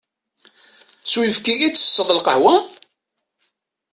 S uyefki i ttesseḍ lqahwa?